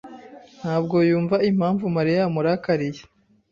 ntabwo yumva impamvu Mariya yamurakariye.